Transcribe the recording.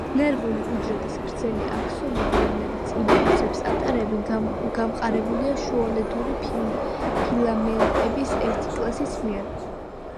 ნერვული უჯრედის გრძელი აქსონები, რომლებიც იმპულსებს ატარებენ, გამყარებულია შუალედური ფილამენტების ერთი კლასის მიერ.